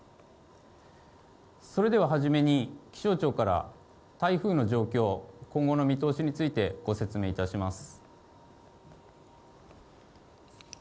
それでは初めに、気象庁から、台風の状況、今後の見通しについてご説明いたします。